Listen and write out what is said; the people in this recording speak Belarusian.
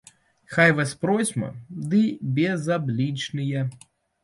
Хай вас процьма, ды безаблічныя.